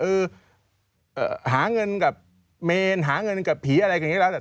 ที่ว่าอ่อหาเงินกับเมนหาเงินกับผีอะไรกันเนี่ยก็แล้ว